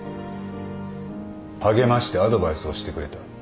励ましてアドバイスをしてくれた。